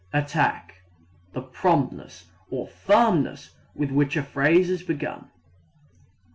] Attack the promptness or firmness with which a phrase is begun.